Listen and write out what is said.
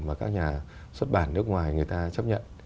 mà các nhà xuất bản nước ngoài người ta chấp nhận